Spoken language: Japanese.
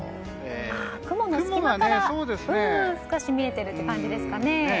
雲の隙間から少し見えているという感じですかね。